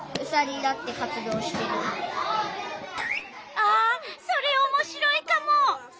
あそれおもしろいカモ。